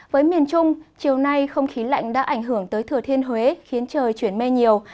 với miền trung chiều nay không khí lạnh đã ảnh hưởng tới thừa thiên huế khiến trời chuyển mây nhiều